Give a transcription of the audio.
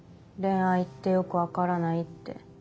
恋愛ってよく分からないって。